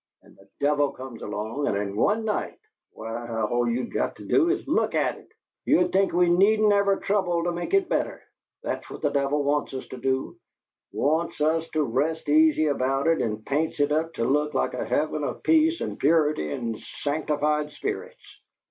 And the devil comes along, and in one night why, all you got to do is LOOK at it! You'd think we needn't ever trouble to make it better. That's what the devil wants us to do wants us to rest easy about it, and paints it up to look like a heaven of peace and purity and sanctified spirits.